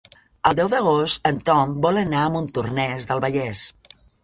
El deu d'agost en Tom vol anar a Montornès del Vallès.